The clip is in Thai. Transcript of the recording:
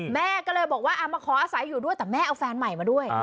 แม่ก็เลยบอกว่ามาขออาศัยอยู่ด้วยแต่แม่เอาแฟนใหม่มาด้วย